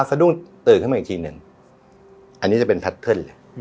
สะดุ้งตื่นขึ้นมาอีกทีหนึ่งอันนี้จะเป็นเลยอืม